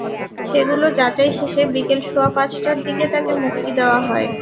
সেগুলো যাচাই শেষে বিকেল সোয়া পাঁচটার দিকে তাঁকে মুক্তি দেওয়া হয়।